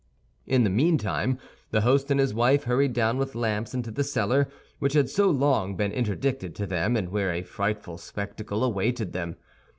In the meantime the host and his wife hurried down with lamps into the cellar, which had so long been interdicted to them and where a frightful spectacle awaited them.